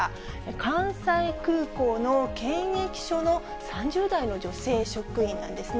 関西空港の検疫所の３０代の女性職員なんですね。